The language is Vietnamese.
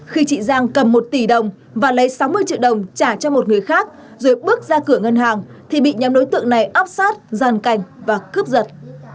khi chị giang cầm một tỷ đồng và lấy sáu mươi triệu đồng trả cho một người khác rồi bước ra cửa ngân hàng thì bị nhóm đối tượng này áp sát giàn cảnh và cướp giật